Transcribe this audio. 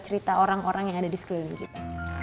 cerita orang orang yang ada di sekeliling kita